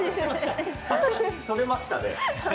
撮れましたね。